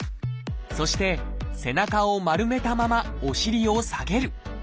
そして背中を丸めたままお尻を下げる。